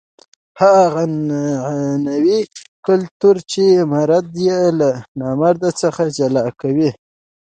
هغه عنعنوي کلتور چې مرد یې له نامرد څخه جلا کاوه.